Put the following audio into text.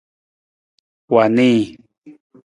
Wa nii.